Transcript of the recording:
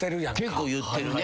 結構言ってるね。